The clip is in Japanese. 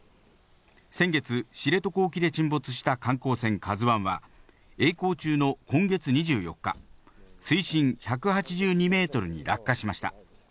先月、知床沖で沈没した観光船「ＫＡＺＵ１」はえい航中の今月２４日、水深１８２メートルに落下しました。